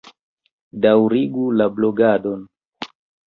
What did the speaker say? Daŭrigu la blogadon!